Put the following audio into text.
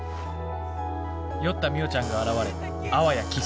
酔ったみよちゃんが現れあわやキス？